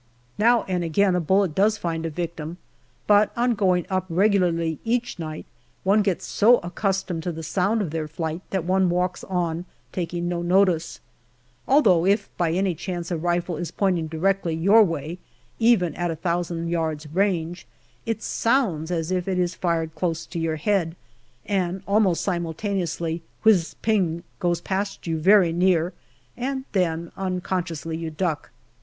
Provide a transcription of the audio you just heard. Now and again a bullet does find a victim, but on going up regularly each night one gets so accustomed to the sound of their flight, that one walks on, taking no notice ; although, if by any chance a rifle is pointing directly your way, even at a thousand yards' range, it sounds as if it is fired close to your head, and almost simultaneously, " whizz ping," goes past you very near, and then uncon sciously you duck.